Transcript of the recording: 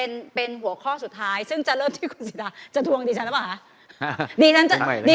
มองเห็นการเลือกตั้งครั้งนี้